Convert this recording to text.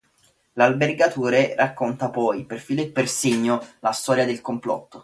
L'albergatore racconta poi per filo e per segno la storia del complotto.